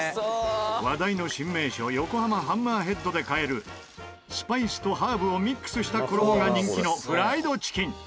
話題の新名所横浜ハンマーヘッドで買えるスパイスとハーブをミックスした衣が人気のフライドチキン！